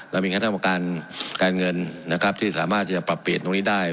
เรามีแค่คำถามการเงินนะครับที่สามารถจะปรับเปลี่ยนตรงนี้ได้